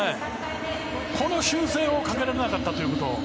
この修正をかけられなかったということ。